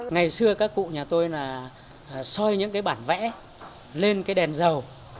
ngày xưa các cụ nhà tôi là soi những cái bản vẽ lên cái đèn dầu